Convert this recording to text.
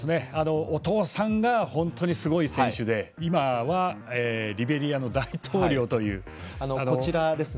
お父さんが本当にすごい選手で今はリベリアの大統領という。